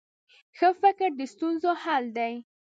ښه فکر د ستونزو حل دی.